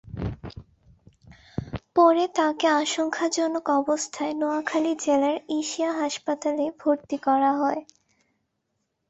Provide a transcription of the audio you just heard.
পরে তাঁকে আশঙ্কাজনক অবস্থায় নোয়াখালী জেলার এশিয়া হাসপাতালে ভর্তি করা হয়।